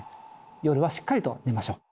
夜はしっかりと寝ましょう。